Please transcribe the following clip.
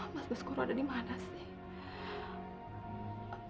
mas baskoro ada dimana sih